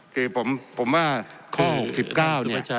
คือผมว่าข้อ๖๙เนี่ย